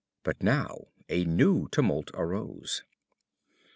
But now a new tumult arose.